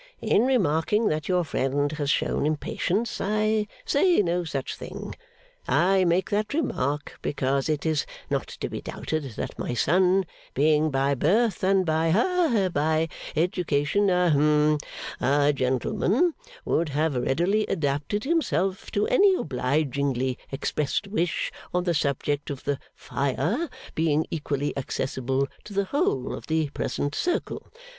In remarking that your friend has shown impatience, I say no such thing. I make that remark, because it is not to be doubted that my son, being by birth and by ha by education a hum a gentleman, would have readily adapted himself to any obligingly expressed wish on the subject of the fire being equally accessible to the whole of the present circle.